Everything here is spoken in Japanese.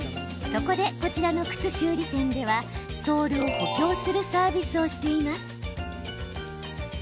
そこで、こちらの靴修理店ではソールを補強するサービスをしています。